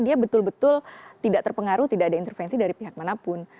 dia betul betul tidak terpengaruh tidak ada intervensi dari pihak manapun